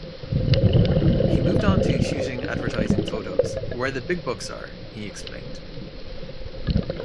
He moved on to shooting advertising photos, "where the big bucks are," he explained.